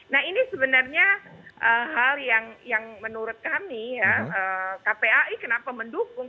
nah ini sebenarnya hal yang menurut kami ya kpai kenapa mendukung